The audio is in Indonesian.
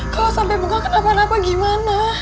kalau sampai buka kenapa napa gimana